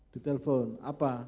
di telepon apa